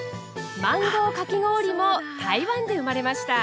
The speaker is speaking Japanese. マンゴーかき氷も台湾で生まれました。